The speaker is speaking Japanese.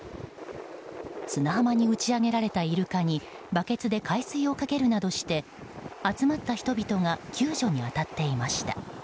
砂浜に打ち揚げられたイルカにバケツで海水をかけるなどして集まった人々が救助に当たっていました。